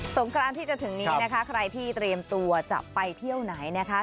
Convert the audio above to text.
งครานที่จะถึงนี้นะคะใครที่เตรียมตัวจะไปเที่ยวไหนนะคะ